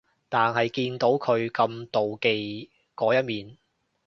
但係見到佢咁妒忌嗰一面